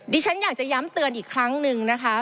ฉันอยากจะย้ำเตือนอีกครั้งหนึ่งนะคะ